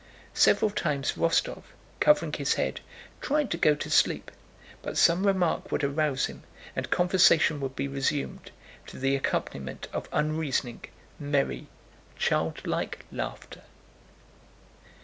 Several times Rostóv, covering his head, tried to go to sleep, but some remark would arouse him and conversation would be resumed, to the accompaniment of unreasoning, merry, childlike laughter.